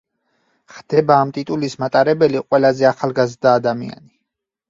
ხდება ამ ტიტულის მატარებელი ყველაზე ახალგაზრდა ადამიანი.